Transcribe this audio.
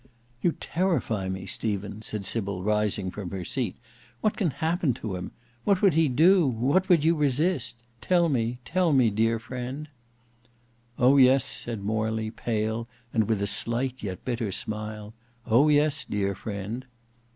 "You terrify me, Stephen," said Sybil rising from her seat. "What can happen to him? What would he do, what would you resist? Tell me—tell me, dear friend." "Oh! yes," said Morley, pale and with a slight yet bitter smile. "Oh! yes; dear friend!"